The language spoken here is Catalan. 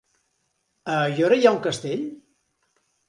A Aiora hi ha un castell?